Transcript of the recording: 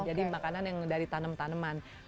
jadi makanan yang dari tanem taneman